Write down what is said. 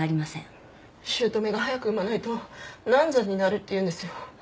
姑が早く産まないと難産になるって言うんですよ。